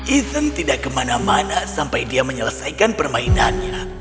ethan tidak kemana mana sampai dia menyelesaikan permainannya